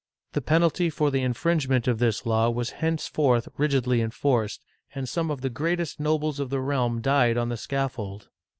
The penalty for the infringement of this law was henceforth rigidly enforced, and some of the greatest nobles of the realm died on the scaffold.